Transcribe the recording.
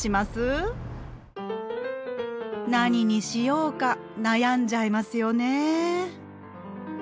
何にしようか悩んじゃいますよね。